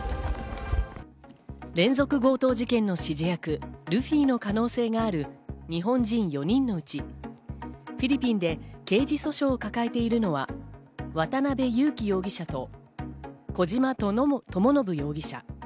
連続強盗事件の指示役・ルフィの可能性がある日本人４人のうち、フィリピンで刑事訴訟を抱えているのは、渡辺優樹容疑者と小島智信容疑者。